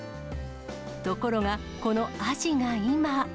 ところが、このアジが今。